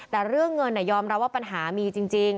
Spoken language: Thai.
แต่เรื่องเงินยอมรับว่าปัญหามีจริง